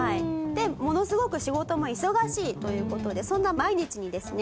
でものすごく仕事も忙しいという事でそんな毎日にですね